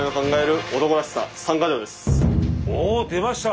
おおっ出ました！